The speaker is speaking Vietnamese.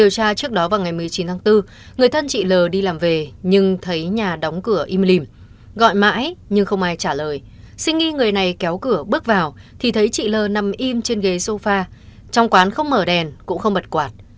xin nghi người này kéo cửa bước vào thì thấy chị lờ nằm im trên ghế sofa trong quán không mở đèn cũng không bật quạt